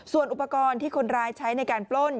ส่วนอุปกรณ์ที่คนร้ายใช้ในการปล้น